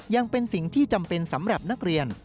ยังเป็นสิ่งที่จำเป็นสำหรับนักเรียน